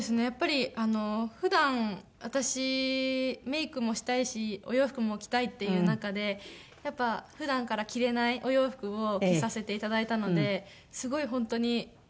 やっぱり普段私メイクもしたいしお洋服も着たいっていう中でやっぱり普段から着れないお洋服を着させて頂いたのですごい本当に。